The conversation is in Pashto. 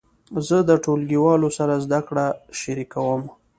زه د ټولګیوالو سره زده کړه شریکوم.